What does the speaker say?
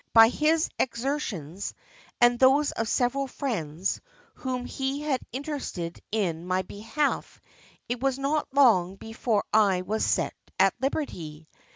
By his exertions, and those of several friends, whom he had interested in my behalf, it was not long before I was set at liberty.